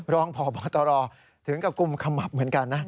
รองพบตรถึงกับกุมขมับเหมือนกันนะ